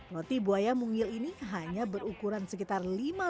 roti buaya mungil ini hanya berukuran sekitar lima meter